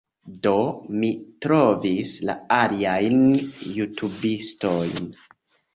Do, mi trovis la aliajn jutubistojn